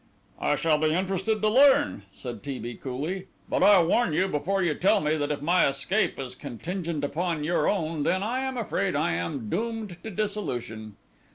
"I shall be interested to learn," said T. B. coolly, "but I warn you before you tell me that if my escape is contingent upon your own, then I am afraid I am doomed to dissolution."